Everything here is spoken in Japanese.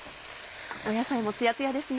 野菜もツヤツヤですね。